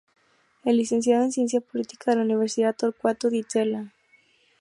Es Licenciado en Ciencia Política de la Universidad Torcuato Di Tella.